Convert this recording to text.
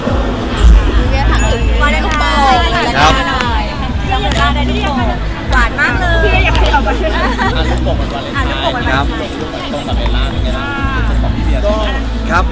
ก็ให้การตอบรับดีครับ